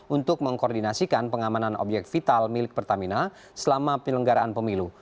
untuk mengkoordinasikan pengamanan obyek vital milik pertamina selama penyelenggaraan pemilu